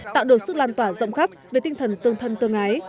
tạo được sức lan tỏa rộng khắp về tinh thần tương thân tương ái